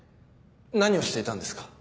何をしていたんですか？